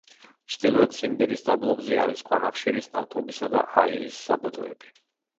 ჩრდილოეთ ციმბირის დაბლობზე არის ქვანახშირის, ნავთობისა და აირის საბადოები.